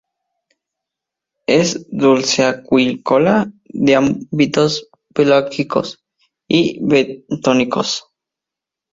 Es dulceacuícola, de hábitos pelágicos y bentónicos.